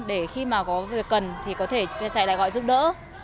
để khi mà có việc cần thì có thể chạy lại gọi giúp đỡ